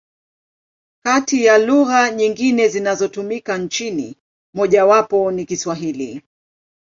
Kati ya lugha nyingine zinazotumika nchini, mojawapo ni Kiswahili.